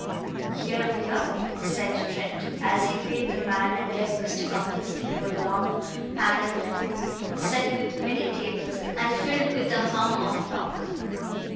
"Here we are," said Trent as he paid the man and led Mr. Cupples into a long paneled room set with many tables and filled with a hum of talk.